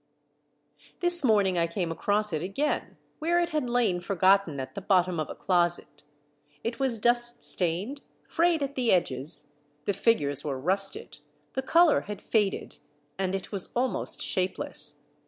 This morning I came across it again, where it had lain forgotten at the bottom of a closet ; it was dust stained, frayed at the edges, the figures were rusted, the color had faded, and it was almost shapeless.